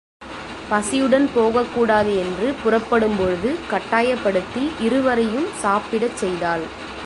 பசியுடன் போகக்கூடாது என்று புறப்படும்பொழுது கட்டாயப்படுத்தி இருவரையும் சாப்பிடச் செய்தாள்.